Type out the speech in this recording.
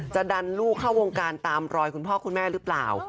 จะดันลูกเข้าวงการตามรอยคุณพ่อคุณแม่หรือเปล่า